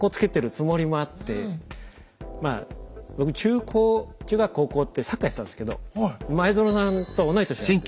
まあ僕中高中学高校ってサッカーやってたんですけど前園さんと同い年なんですよ。